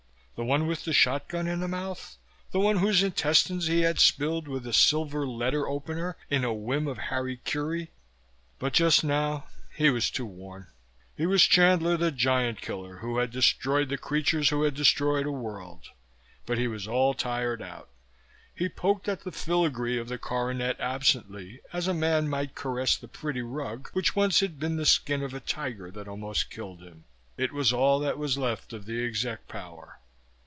The one with the shotgun in the mouth? The one whose intestines he had spilled with a silver letteropener in a whim of hara kiri?), but just now he was too worn. He was Chandler the giant killer, who had destroyed the creatures who had destroyed a world, but he was all tired out. He poked at the filigree of the coronet absently, as a man might caress the pretty rug which once had been the skin of a tiger that almost killed him. It was all that was left of the exec power.